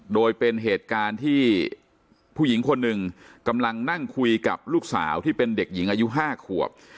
โดยเป็นเหตุการณ์ที่ผู้หญิงคนหนึ่งกำลังนั่งคุยกับลูกสาวที่เป็นเด็กหญิงอายุ๕ขวบ